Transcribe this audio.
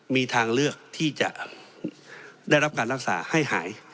มีทางเลือกที่จะได้รับการรักษาให้หาย